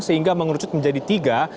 sehingga mengerucut menjadi tiga